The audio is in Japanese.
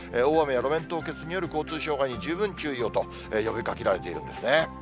大雨や路面凍結による交通障害に十分注意をと呼びかけられているんですね。